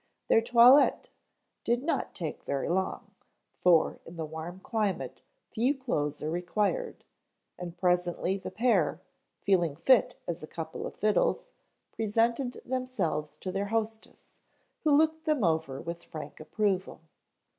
Their toilet did not take very long, for in the warm climate few clothes are required, and presently the pair, feeling fit as a couple of fiddles, presented themselves to their hostess, who looked them over with frank approval.